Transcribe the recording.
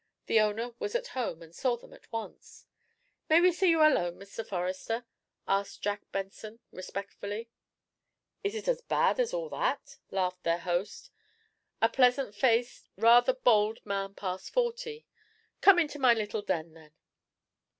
The owner was at home, and saw them at once. "May we see you alone, Mr. Forester?" asked Jack Benson, respectfully. "Is it as bad as all that?" laughed their host, I a pleasant faced, rather bald man past forty. "Come into my little den, then."